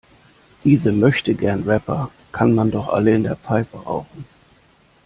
Diese Möchtegern-Rapper kann man doch alle in der Pfeife rauchen.